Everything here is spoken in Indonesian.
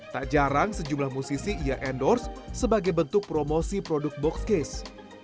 tak jarang sejumlah musisi ia endorse sebagai bentuk promosi produk boxcase